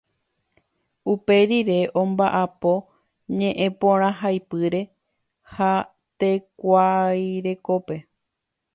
Uperire ombaʼapo ñeʼẽporãhaipyre ha tekuairekópe.